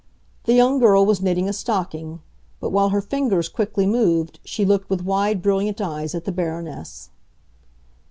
The young girl was knitting a stocking; but, while her fingers quickly moved, she looked with wide, brilliant eyes at the Baroness.